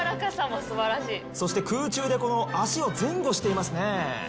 このそして空中でこの足を前後していますね。